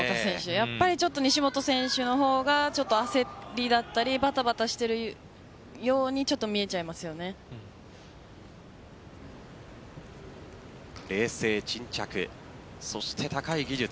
やっぱり西本選手の方が焦りだったりバタバタしているように冷静沈着そして高い技術。